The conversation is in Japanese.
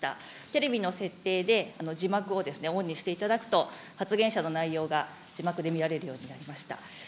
テレビの設定で字幕をオンにしていただくと、発言者の内容が字幕で見られるようになりました。